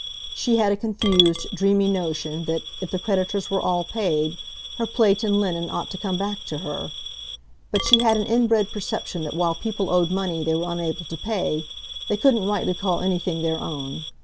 She had a confused, dreamy notion that, if the creditors were all paid, her plate and linen ought to come back to her; but she had an inbred perception that while people owed money they were unable to pay, they couldn't rightly call anything their own.